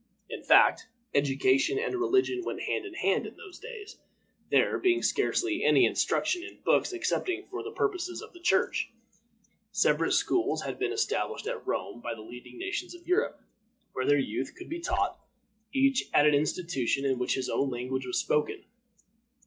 In fact, education and religion went hand in hand in those days, there being scarcely any instruction in books excepting for the purposes of the Church. Separate schools had been established at Rome by the leading nations of Europe, where their youth could be taught, each at an institution in which his own language was spoken.